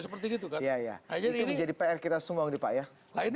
seperti itu kan